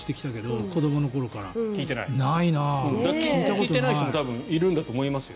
聞いてない人もいるんだと思いますよ。